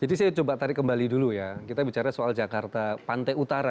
jadi saya coba tarik kembali dulu ya kita bicara soal jakarta pantai utara